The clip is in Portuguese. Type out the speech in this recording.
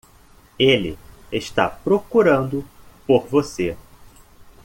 Ele está procurando por você.